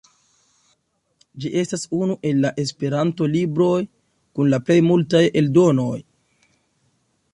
Ĝi estas unu el la Esperanto-libroj kun la plej multaj eldonoj.